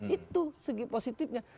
itu segi positifnya